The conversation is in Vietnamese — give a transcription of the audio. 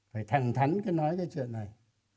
phải thẳng thắn cái nói cái chuyện này